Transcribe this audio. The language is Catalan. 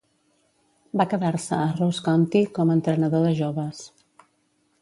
Va quedar-se a Ross County com a entrenador de joves.